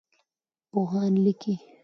پوهان لیکي.